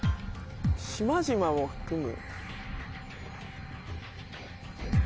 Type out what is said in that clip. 島々も含む。